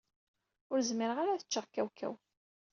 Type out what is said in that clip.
Ur zmireɣ ara ad ččeɣ kawkaw.